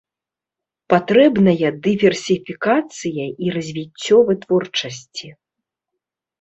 Патрэбная дыверсіфікацыя і развіццё вытворчасці.